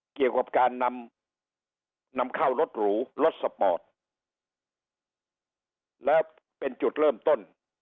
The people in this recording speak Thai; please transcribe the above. เกี่ยวกับการนำนำเข้ารถหรูรถสปอร์ตแล้วเป็นจุดเริ่มต้น